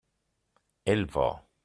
elle va.